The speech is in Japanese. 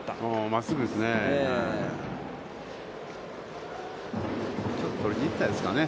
真っすぐですね。